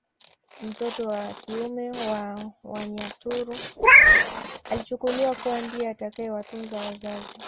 Mtoto wa kiume kwa Wanyaturu alichukuliwa kuwa ndiye atakayewatunza wazazi